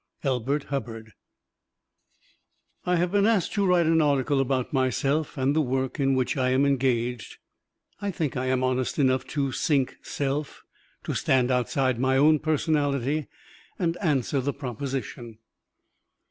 Elbert Hubbard I have been asked to write an article about myself and the work in which I am engaged. I think I am honest enough to sink self, to stand outside my own personality, and answer the proposition.